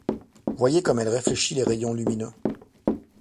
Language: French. Voyez comme elle réfléchit les rayons lumineux.